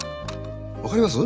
分かります？